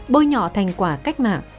bôi nhọ thành quả cách mạng